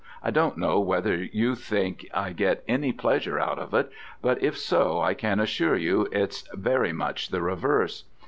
I don't know whether you think I get any pleasure out of it, but if so I can assure you it's very much the reverse.